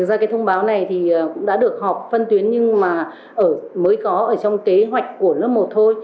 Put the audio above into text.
ra cái thông báo này thì cũng đã được họp phân tuyến nhưng mà mới có ở trong kế hoạch của lớp một thôi